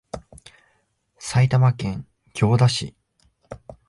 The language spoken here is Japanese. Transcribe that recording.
埼玉県行田市